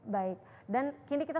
baik dan kini kita